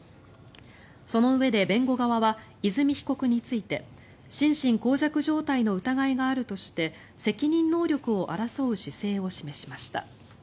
そのうえで弁護側は和美被告について心神耗弱状態の疑いがあるとして責任能力を争う姿勢を示しました。